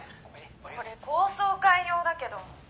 「これ高層階用だけど大丈夫？」